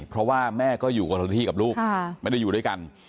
เพราะว่าแม่ก็อยู่คนละที่กับลูกไม่ได้อยู่ด้วยกัน